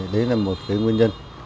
đấy là một cái nguyên nhân